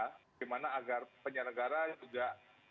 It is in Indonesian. bagaimana agar penyelenggara juga bisa berhasil